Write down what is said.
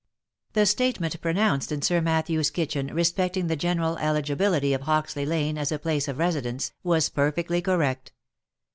The statement pronounced in Sir Matthew's kitchen respecting the general eligibility of Hoxley lane as a place of residence, was perfectly correct.